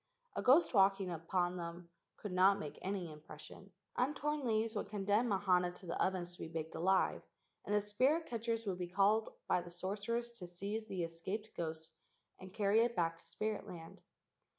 A ghost walking upon them could not make any impression. Untorn leaves would condemn Mahana to the ovens to be baked alive, and the spirit catchers would be called by the sorcerers to seize the escaped ghost and carry it back to spirit land.